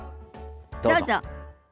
どうぞ。